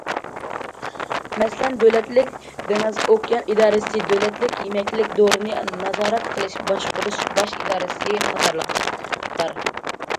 مەسىلەن: دۆلەتلىك دېڭىز ئوكيان ئىدارىسى، دۆلەتلىك يېمەكلىك دورىنى نازارەت قىلىش باشقۇرۇش باش ئىدارىسى قاتارلىقلار.